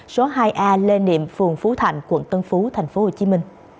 số hai a lê niệm phường phú thạnh quận tân phú tp hcm